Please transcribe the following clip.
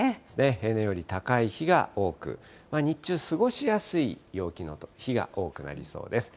平年より高い日が多く、日中、過ごしやすい陽気の日が多くなりそうです。